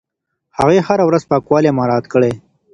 هغې هره ورځ پاکوالی مراعت کړی.